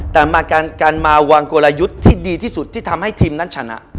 แต่มาการมาวางกลยุทธ์ที่ดีที่สุดที่ทำให้ทีมนั้นชนะ